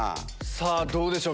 さぁどうでしょう？